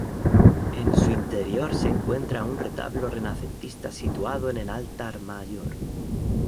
En su interior se encuentra un retablo renacentista situado en el altar mayor.